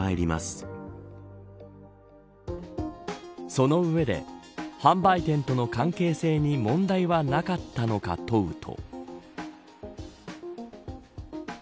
その上で、販売店との関係性に問題はなかったのか問うと。